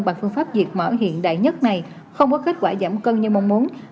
bằng phương pháp diệt mỏ hiện đại nhất này không có kết quả giảm cân như mong muốn